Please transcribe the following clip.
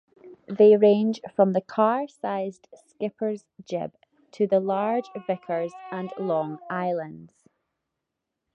They range from the car-sized Skipper's Jib to the larger Vicar's and Long Islands.